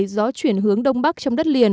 gió chuyển hướng đông bắc trong đất liền